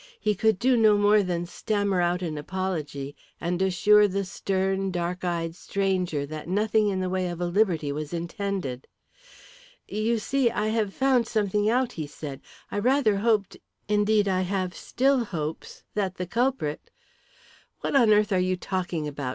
He could do no more than stammer out an apology and assure the stern dark eyed stranger that nothing in the way of a liberty was intended. "You see, I have found something out," he said. "I rather hoped indeed, I have still hopes that the culprit " "What on earth are you talking about?"